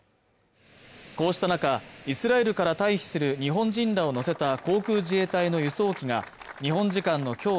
こうした中イスラエルから退避する日本人らを乗せた航空自衛隊の輸送機が日本時間の今日